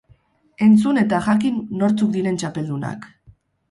Entzun eta jakin nortzuk diren txapeldunak!